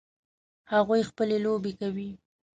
هغوی خپلې لوبې کوي